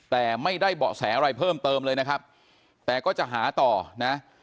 แต่ไม่ได้เบาะแสอะไรเพิ่มเติมเลยนะครับแต่ก็จะหาต่อนะ